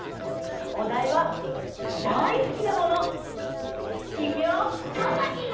おだいは「だいすきなもの」。いくよ！